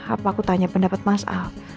apa aku tanya pendapat mas a